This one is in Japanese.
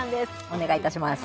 お願いいたします。